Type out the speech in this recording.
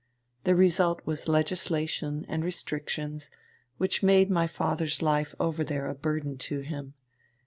The result was legislation and restrictions which made my father's life over there a burden to him.